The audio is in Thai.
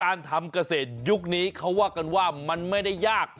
การทำเกษตรยุคนี้เขาว่ากันว่ามันไม่ได้ยาก